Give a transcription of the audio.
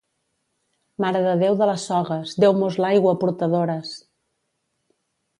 Mare de Déu de les Sogues, deu-mos l'aigua a portadores!